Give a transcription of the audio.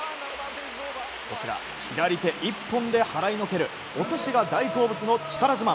こちら、左手１本で払いのけるお寿司が大好物の力自慢。